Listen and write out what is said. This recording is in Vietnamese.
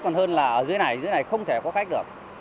còn hơn là ở dưới này dưới này không thể có khách được